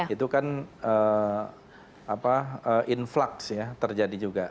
itu kan influx ya terjadi juga